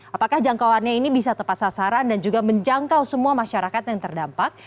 apakah jangkauannya ini bisa tepat sasaran dan juga menjangkau semua masyarakat yang terdampak